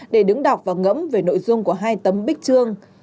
để đứng đọc và ngẫm về nội dung của hai tấm bích trương